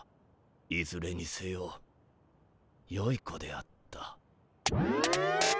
いずれにせよよい子であった。